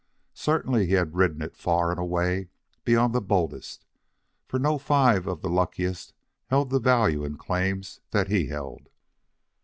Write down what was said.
Certainly he had ridden it far and away beyond the boldest, for no five of the luckiest held the value in claims that he held.